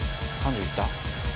３０いった？